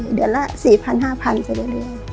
เดือนละ๔๐๐๕๐๐ไปเรื่อย